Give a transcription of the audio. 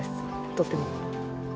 とても。